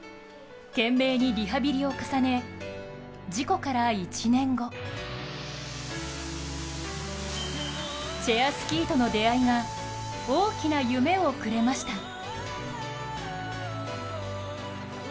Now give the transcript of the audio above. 懸命にリハビリを重ね事故から１年後、チェアスキーとの出会いが大きな夢をくれました。